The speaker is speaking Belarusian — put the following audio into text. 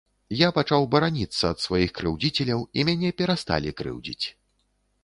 Я пачаў бараніцца ад сваіх крыўдзіцеляў, і мяне перасталі крыўдзіць.